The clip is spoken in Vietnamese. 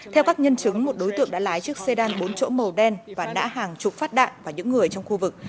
theo các nhân chứng một đối tượng đã lái chiếc xe đan bốn chỗ màu đen và đã hàng chục phát đạn vào những người trong khu vực